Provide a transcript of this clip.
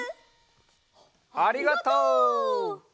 ありがとう。